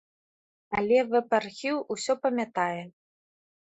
Але вэб-архіў ўсё памятае.